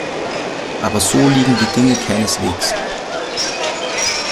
Aber so liegen die Dinge keineswegs.